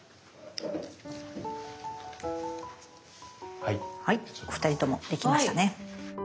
はいお二人ともできましたね。